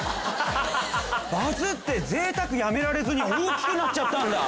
バズって贅沢やめられずに大きくなっちゃったんだ。